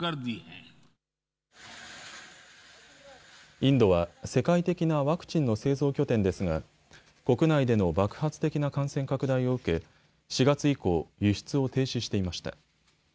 インドは世界的なワクチンの製造拠点ですが国内での爆発的な感染拡大を受け４月以降、輸出を停止していました。